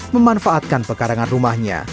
memanfaatkan pekarangan rumahnya